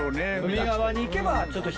海側に行けばちょっと。